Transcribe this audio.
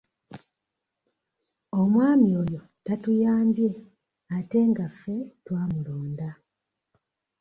Omwami oyo tatuyambye ate nga ffe twamulonda.